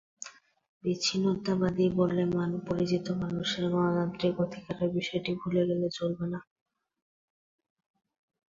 বিচ্ছিন্নতাবাদী বলে পরিচিত মানুষের গণতান্ত্রিক অধিকারের বিষয়টি ভুলে গেলে চলবে না।